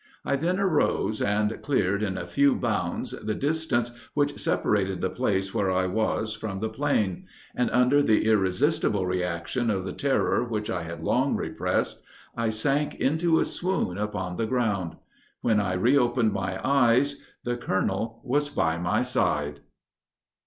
I then arose, and cleared, at a few bounds, the distance which separated the place where I was from the plain; and, under the irresistible reaction of the terror which I had long repressed, I sank into a swoon upon the ground. When I reopened my eyes, the colonel was by my side."